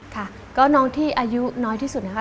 ค่ะก็น้องที่อายุน้อยที่สุดนะคะ